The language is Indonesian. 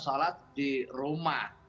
sholat di rumah